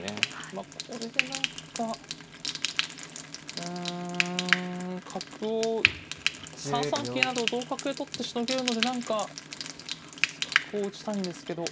まあこれで何かうん角を３三桂成を同角で取ってしのげるので何か角を打ちたいんですけど。